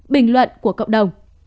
bình luận của cộng đồng